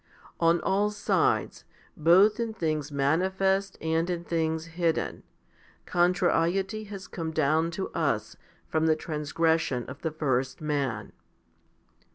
On all sides, both in things manifest and in things hidden, contrariety has come down to us from the transgression of the first man.